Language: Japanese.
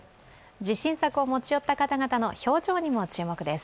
自信作を持ち寄った方々の表情にも注目です。